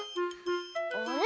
あれ？